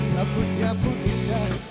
lampunya pun indah